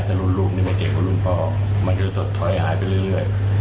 ถ้ารุ่นลูกไม่เก่งกว่ารุ่นพ่อมันก็จะถอยหายไปเรื่อย